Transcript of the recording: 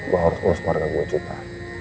gue harus urus keluarga gue juga